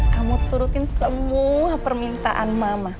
kamu turutin semua permintaan mama